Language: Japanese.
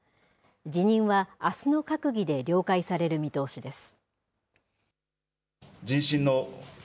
辞任はあすの閣議で了解される見通しです。